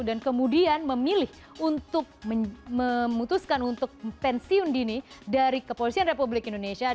dan kemudian memilih untuk memutuskan untuk pensiun dini dari kepolisian republik indonesia